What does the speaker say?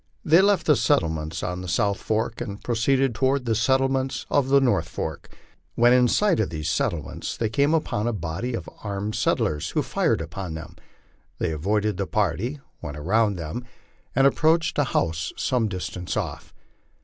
They left the settlements on the south fork and proceeded toward the settlements on the north fork. When in sight of these settlements, they came upon a body of armed settlers, who fired upon them ; they avoided the party, went around them, and approached a house some distance off.